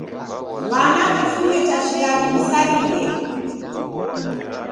W'ana w'ifume cha shighadi w'isarighe.